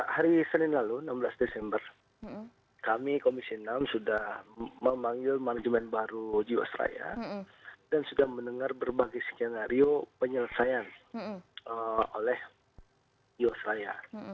hari senin lalu enam belas desember kami komisi enam sudah memanggil manajemen baru jiwasraya dan sudah mendengar berbagai skenario penyelesaian oleh jiwasraya